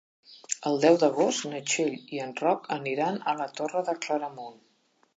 El deu d'agost na Txell i en Roc aniran a la Torre de Claramunt.